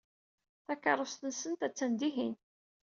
Takeṛṛust-nsent attan dihin.